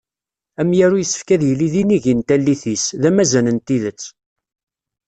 Amyaru yessefk ad yili d inigi n tallit-is, d amazan n tidet.